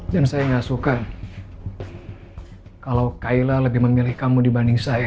dan saya ngasuhkan kalau kaila lebih memilih kamu dibanding saya